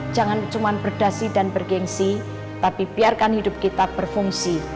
jangan cuma berdasi dan bergensi tapi biarkan hidup kita berfungsi